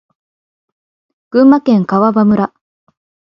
群馬県川場村